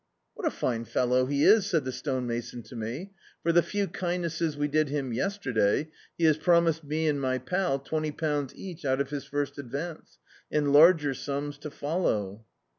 "What a fine fellow he is," said the stonemason to me; "for the few kind nesses we did him yesterday, he has promised me and my pal twenty pounds each out of his first advance, and larger sums to follow."